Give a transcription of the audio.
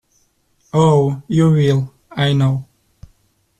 Oh, you will — I know.